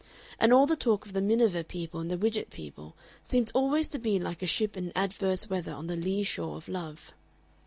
And all the talk of the Miniver people and the Widgett people seemed always to be like a ship in adverse weather on the lee shore of love.